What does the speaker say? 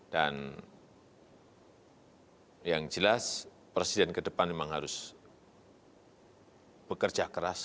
dan yang jelas presiden ke depan memang harus bekerja keras